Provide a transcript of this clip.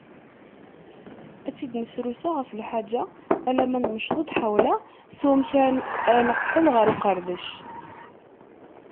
Ad tt-id-nesrusa ɣef lḥaǧa, alma nemceḍ-d ḥawla s wamek ara neqqel ɣer uqerdac.